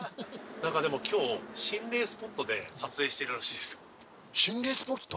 なんかでも今日心霊スポットで撮影してるらしいですよ。